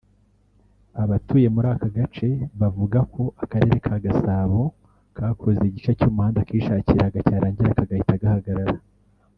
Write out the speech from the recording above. Abatuye muri aka gace bavuga ko akarere ka Gasabo kakoze igice cy’umuhanda kishakiraga cyarangira kagahita gahagarara